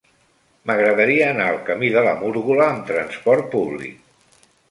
M'agradaria anar al camí de la Múrgola amb trasport públic.